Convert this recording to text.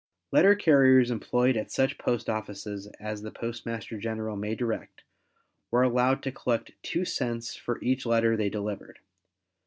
Letter carriers employed at such post offices as the Postmaster General may direct, were allowed to collect 2 cents for each letter they delivered.